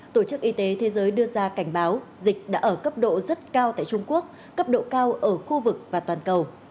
tổ chức y tế thế giới đưa ra cảnh báo dịch đã ở cấp độ rất cao tại trung quốc cấp độ cao ở khu vực và toàn cầu